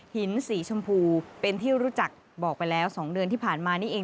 หินสีชมพูเป็นที่รู้จักบอกไปแล้ว๒เดือนที่ผ่านมานี่เอง